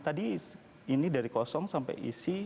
tadi ini dari kosong sampai isi